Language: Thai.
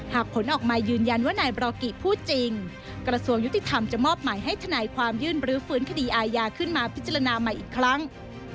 ผลออกมายืนยันว่านายบรากิพูดจริงกระทรวงยุติธรรมจะมอบหมายให้ทนายความยื่นรื้อฟื้นคดีอาญาขึ้นมาพิจารณาใหม่อีกครั้ง